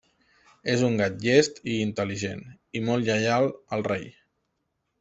És un gat llest i intel·ligent i molt lleial al rei.